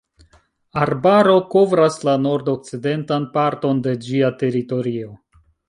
Arbaro kovras la nordokcidentan parton de ĝia teritorio.